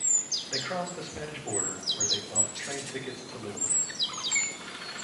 They crossed the Spanish border, where they bought train tickets to Lisbon.